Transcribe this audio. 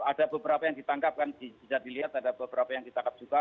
ada beberapa yang ditangkap kan bisa dilihat ada beberapa yang ditangkap juga